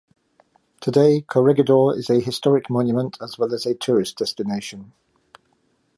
Today, Corregidor is a historic monument as well as a tourist destination.